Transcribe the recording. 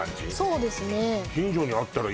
そうですね